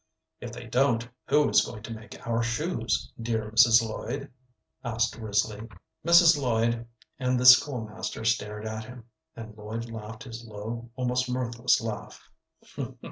"If they don't, who is going to make our shoes, dear Mrs. Lloyd?" asked Risley. Mrs. Lloyd and the school master stared at him, and Lloyd laughed his low, almost mirthless laugh.